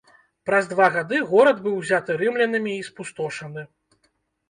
Праз два гады горад быў узяты рымлянамі і спустошаны.